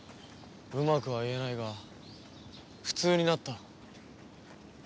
うまくは言えないが普通になった。